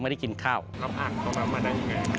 ลำบากเข้ามามาได้อย่างไร